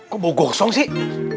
kok bau gosong sih